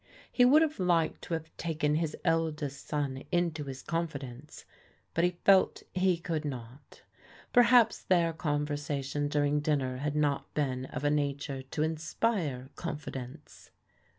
He would have liked to have taken his eldest son into his confidence ; but he felt he could not. Perhaps their conversation during dinner had not been of a nature to inspire confidence.